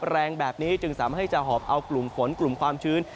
แรงแบบนี้จึงสามารถให้จะหอบเอากลุ่มฝนกลุ่มความชื้น